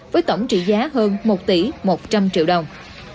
với tổng trị giá hơn một tỷ một trăm linh triệu đồng